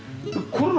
これ。